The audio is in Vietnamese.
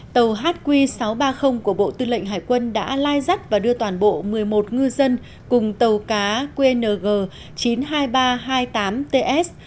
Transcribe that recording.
tàu hq sáu trăm ba mươi của bộ tư lệnh hải quân đã lai dắt và đưa toàn bộ một mươi một ngư dân cùng tàu cá qng chín mươi hai nghìn ba trăm hai mươi tám ts